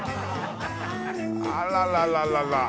あららららら。